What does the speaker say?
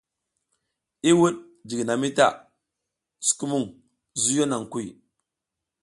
I wuɗ jiginami ta sukumuŋ, zuyo naŋ kuy.